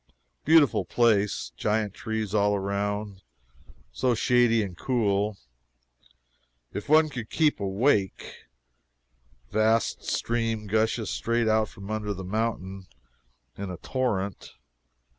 Beautiful place giant trees all around so shady and cool, if one could keep awake vast stream gushes straight out from under the mountain in a torrent.